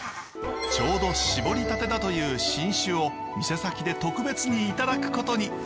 ちょうどしぼりたてだという新酒を店先で特別にいただくことに。